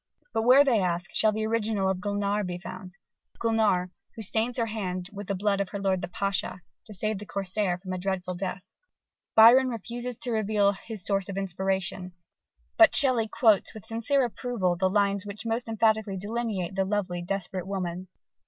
_) But where, they ask, shall the original of Gulnare be found, Gulnare, who stains her hand with the blood of her lord the Pasha, to save the Corsair from a dreadful death? Byron refuses to reveal his source of inspiration: but Shelley quotes with sincere approval the lines which most emphatically delineate that lovely, desperate woman.